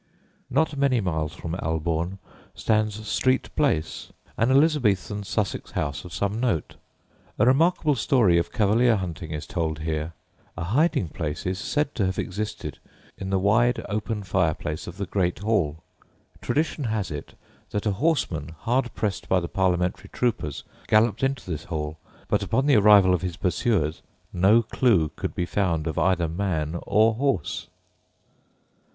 Not many miles from Albourne stands Street Place, an Elizabethan Sussex house of some note. A remarkable story of cavalier hunting is told here. A hiding place is said to have existed in the wide open fireplace of the great hall. Tradition has it that a horseman, hard pressed by the Parliamentary troopers, galloped into this hall, but upon the arrival of his pursuers, no clue could be found of either man or horse!